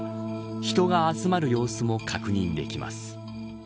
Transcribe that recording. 人が集まる様子も確認できます。